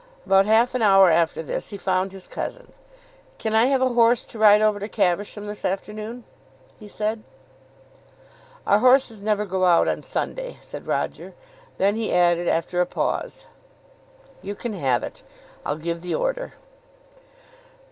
About half an hour after this he found his cousin. "Can I have a horse to ride over to Caversham this afternoon?" he said. "Our horses never go out on Sunday," said Roger. Then he added, after a pause, "You can have it. I'll give the order."